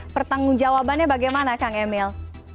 pertanggung jawabannya bagaimana kang emil